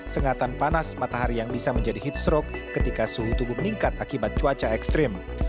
sengatan panas matahari yang bisa menjadi heat stroke ketika suhu tubuh meningkat akibat cuaca ekstrim